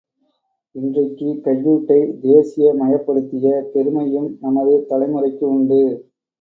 இன்றைக்குக் கையூட்டை தேசிய மயப்படுத்திய பெருமையும் நமது தலைமுறைக்கு உண்டு.